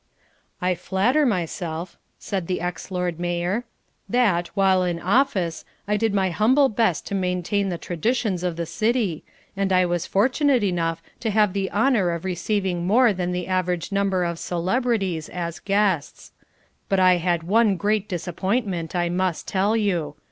"I flatter myself," said the ex Lord Mayor, "that, while in office, I did my humble best to maintain the traditions of the City, and I was fortunate enough to have the honour of receiving more than the average number of celebrities as guests. But I had one great disappointment, I must tell you.